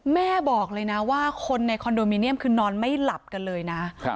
แม่บอกเลยนะว่าคนในคอนโดมิเนียมคือนอนไม่หลับกันเลยนะ